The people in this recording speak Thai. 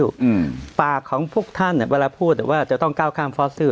อืมปากของพวกท่านเนี้ยเวลาพูดอ่ะว่าจะต้องก้าวข้ามฟอสซิล